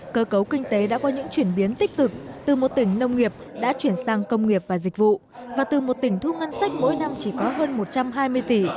cơ cấu kinh tế đã có những chuyển biến tích cực từ một tỉnh nông nghiệp đã chuyển sang công nghiệp và dịch vụ và từ một tỉnh thu ngân sách mỗi năm chỉ có hơn một trăm hai mươi tỷ